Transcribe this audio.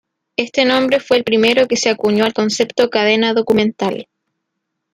Este nombre fue el primero que se acuñó al concepto "cadena documental".